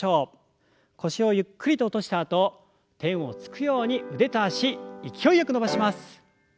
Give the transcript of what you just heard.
腰をゆっくりと落としたあと天をつくように腕と脚勢いよく伸ばします。